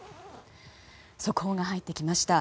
速報が入ってきました。